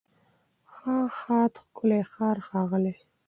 ښه، ښاد، ښکلی، ښار، ښاغلی